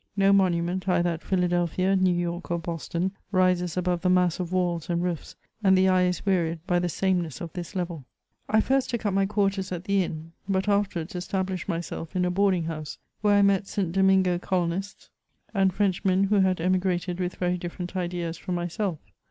No monument, either at Philadelphia, New York, or Boston, rises above the mass of walls and roofs; and the eye is wearied by the sameness of this level. I first took up my quarters at the inn, but afterwards estab CHATEAUBRIAND. 255 lished myself in a boarding house, where I met St. Domingo colonists, and Frenchmen who had emigrated with very different ideas from myself.